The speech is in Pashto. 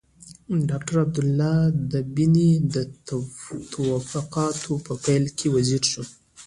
ډاکټر عبدالله د بن د توافقاتو په پايله کې وزیر شو.